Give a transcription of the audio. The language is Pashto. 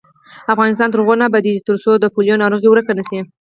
افغانستان تر هغو نه ابادیږي، ترڅو د پولیو ناروغي ورکه نشي.